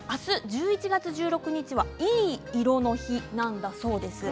明日１１日１６日は、いい色の日なんだそうです。